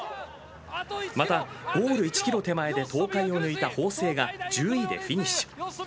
またゴール１ｋｍ手前で東海を抜いた法政が１０位でフィニッシュ。